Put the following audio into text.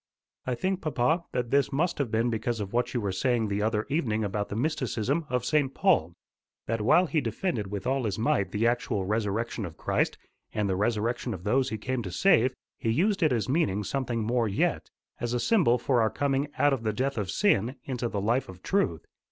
"I think, papa, that this must have been because of what you were saying the other evening about the mysticism of St. Paul; that while he defended with all his might the actual resurrection of Christ and the resurrection of those he came to save, he used it as meaning something more yet, as a symbol for our coming out of the death of sin into the life of truth.